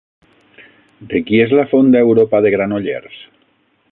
De qui és la Fonda Europa de Granollers?